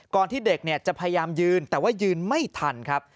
ที่เด็กจะพยายามยืนแต่ว่ายืนไม่ทันครับ